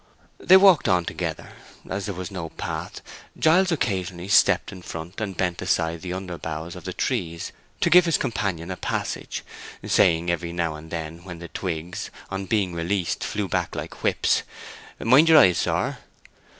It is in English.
They walked on together. As there was no path, Giles occasionally stepped in front and bent aside the underboughs of the trees to give his companion a passage, saying every now and then when the twigs, on being released, flew back like whips, "Mind your eyes, sir."